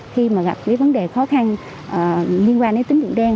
khi mà gặp cái vấn đề khó khăn liên quan đến tính dụng đen